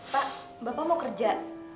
pak bapak mau kerja